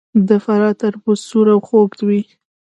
د فراه تربوز سور او خوږ وي.